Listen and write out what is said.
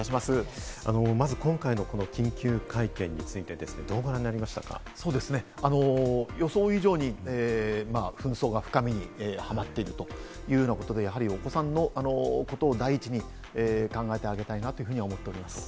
まず今回のこの緊急会見についてですけれども、どうご覧になりま予想以上に紛争が深みにはまっているというようなことで、お子さんのことを第一に考えてあげたいなというふうに思っております。